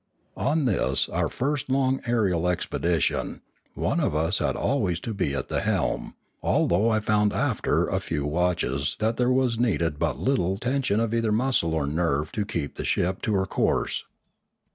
On this, our first long aerial expedition, one of us had always to be at the helm, although I found after a few watches that there was needed but little ten sion either of muscle or nerve to keep the ship to her course.